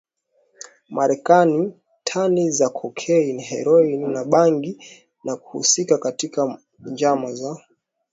Marekani tani za cocaine heroin na bangi na kuhusika katika njama za